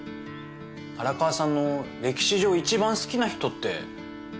荒川さんの歴史上一番好きな人って。